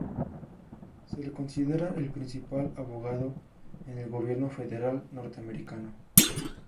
Se le considera el principal abogado en el Gobierno Federal norteamericano.